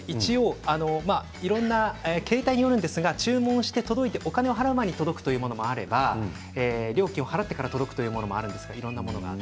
いろいろな形態によるんですが注文してお金を払う前に届くというものもあれば料金を払ってから届くというものもあります。